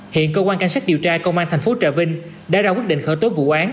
hiện cơ quan cảnh sát điều tra công an thành phố trà vinh đã ra quyết định khởi tố vụ án